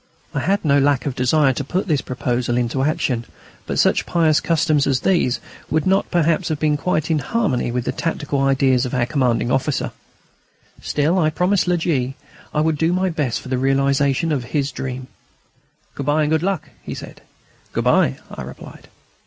I had no lack of desire to put this proposal into action, but such pious customs as these would not perhaps have been quite in harmony with the tactical ideas of our commanding officer. Still I promised La G. I would do my best for the realisation of his dream. "Good bye and good luck!" he said. "Good bye," I replied.